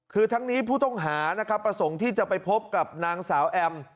คือทั้งนี้ผู้ต้องหานะครับประสงค์ที่จะไปพบกับนางสาวแอม